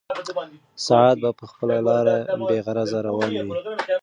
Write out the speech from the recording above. ساعت به په خپله لاره بېغرضه روان وي.